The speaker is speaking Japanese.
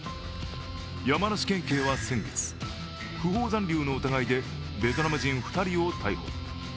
山梨県警は先月、不法残留の疑いでベトナム人２人を逮捕。